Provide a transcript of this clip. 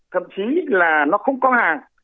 thậm chí là nó không có hàng